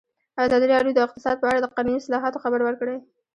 ازادي راډیو د اقتصاد په اړه د قانوني اصلاحاتو خبر ورکړی.